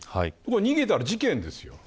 逃げたら事件ですよ。